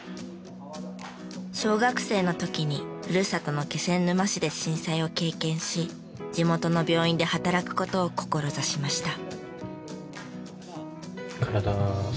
小学生の時にふるさとの気仙沼市で震災を経験し地元の病院で働く事を志しました。